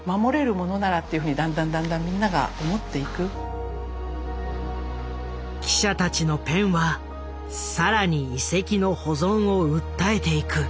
そして記者たちのペンは更に遺跡の保存を訴えていく。